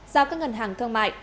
giao các ngân hàng thương mại